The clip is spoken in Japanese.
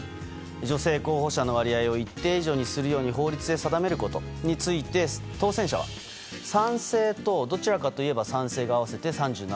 女性候補者の割合を一定以上にすることを法律で定めることについて当選者は賛成とどちらかといえばが賛成が合わせて３７％。